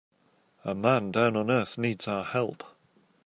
A man down on earth needs our help.